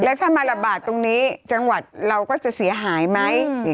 แล้วถ้ามาระบาดตรงนี้จังหวัดเราก็จะเสียหายไหม